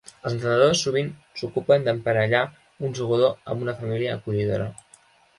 Els entrenadors sovint s'ocupen d'emparellar un jugador amb una família acollidora.